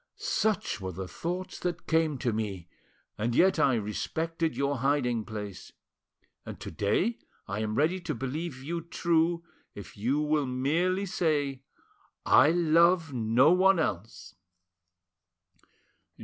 Such were the thoughts that came to me, and yet I respected your hiding place; and to day I am ready to believe you true, if you will merely say, 'I love no one else!